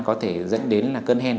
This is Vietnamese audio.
có thể dẫn đến cơn hen